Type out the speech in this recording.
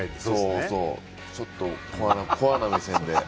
ちょっとコアな目線で。